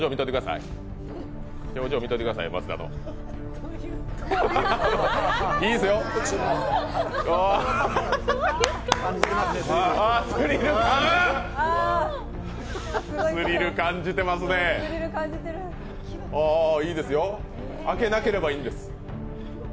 いいですよ、開けなければいいんです。